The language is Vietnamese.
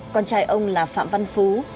con trai ông là phạm văn phú